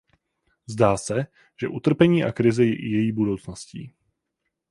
Zdá se, že utrpení a krize je i její budoucností.